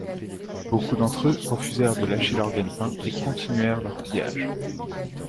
Beaucoup d'entre eux refusèrent de lâcher leur gagne pain et continuèrent leurs pillages.